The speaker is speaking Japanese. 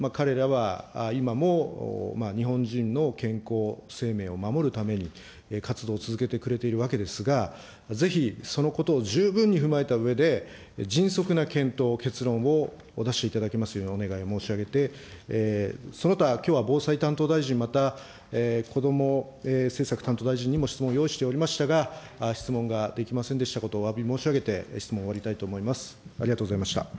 投資インセンティブをそうしつさせている、その中で、彼らは今も日本人の健康生命を守るために、活動を続けてくれているわけですが、ぜひ、そのことを十分に踏まえたうえで、迅速な検討を、結論を出していただきますよう、お願いいたしまして、その他、きょうは防災担当大臣、またこども政策担当大臣にも質問を用意しておりましたが、質問ができませんでしたこと、おわび申し上げて、質問を終わりたいと思います。